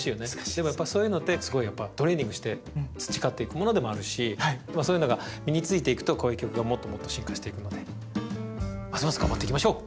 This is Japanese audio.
でもやっぱそういうのってすごいトレーニングして培っていくものでもあるしそういうのが身についていくとこういう曲がもっともっと進化していくのでますます頑張っていきましょう。